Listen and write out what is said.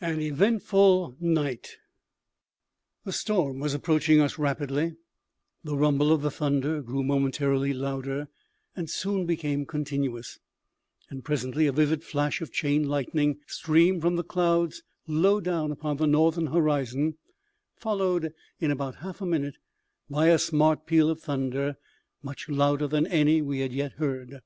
AN EVENTFUL NIGHT. The storm was approaching us rapidly; the rumble of the thunder grew momentarily louder, and soon became continuous; and presently a vivid flash of chain lightning streamed from the clouds low down upon the northern horizon, followed, in about half a minute, by a smart peal of thunder, much louder than any that we had yet heard.